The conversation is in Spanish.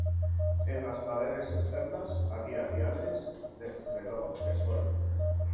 En las paredes externas había diales de reloj de sol.